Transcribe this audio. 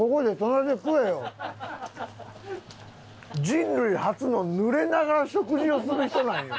人類初の濡れながら食事をする人なんよ。